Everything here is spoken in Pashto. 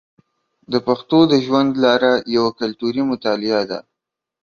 د پښتنو د ژوند لاره یوه کلتوري مطالعه ده.